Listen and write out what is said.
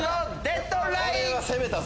デッドライン！